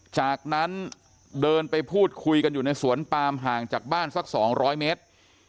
จากนั้นเดินไปพูดคุยกันอยู่ในสวนปามห่างจากบ้านสัก๒๐๐เมตร